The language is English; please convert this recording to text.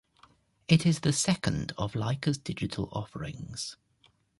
It is the second of Leica's digital offerings.